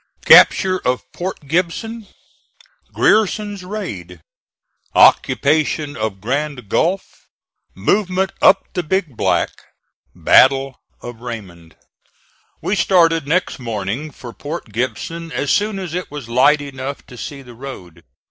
CAPTURE OF PORT GIBSON GRIERSON'S RAID OCCUPATION OF GRAND GULF MOVEMENT UP THE BIG BLACK BATTLE OF RAYMOND. We started next morning for Port Gibson as soon as it was light enough to see the road.